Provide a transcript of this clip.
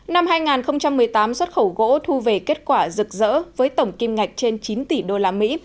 năm hai nghìn một mươi tám xuất khẩu gỗ thu về kết quả rực rỡ với tổng kim ngạch trên chín tỷ usd